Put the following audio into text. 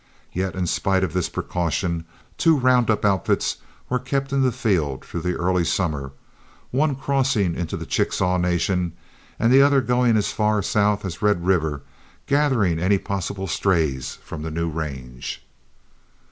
Yet in spite of this precaution, two round up outfits were kept in the field through the early summer, one crossing into the Chickasaw Nation and the other going as far south as Red River, gathering any possible strays from the new range.